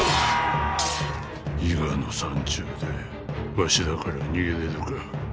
伊賀の山中でわしらから逃げれるか。